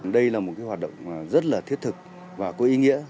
đây là một hoạt động rất là thiết thực và có ý nghĩa